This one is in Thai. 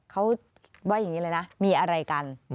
เขาว่าอย่างนี้เลยนะมีอะไรกัน